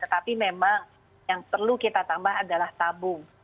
tetapi memang yang perlu kita tambah adalah tabung